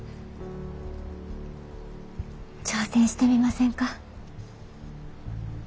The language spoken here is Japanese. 挑戦してみませんか？